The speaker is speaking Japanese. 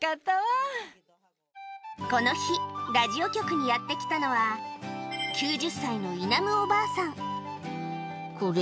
この日ラジオ局にやって来たのは９０歳のイナムおばあさん